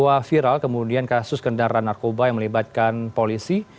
setelah viral kemudian kasus kendaraan narkoba yang melibatkan polisi